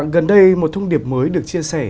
gần đây một thông điệp mới được chia sẻ